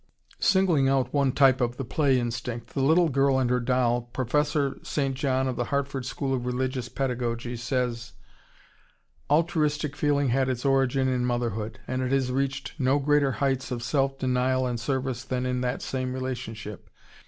] Singling out one type of the play instinct, the little girl and her doll, Professor St. John of the Hartford School of Religious Pedagogy says: Altruistic feeling had its origin in motherhood, and it has reached no greater heights of self denial and service than in that same relationship.